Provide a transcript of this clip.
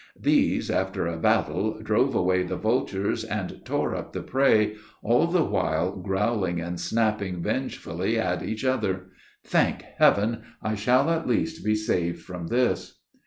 These, after a battle, drove away the vultures, and tore up the prey, all the while growling and snapping vengefully at each other. "Thank heaven! I shall at least be saved from this."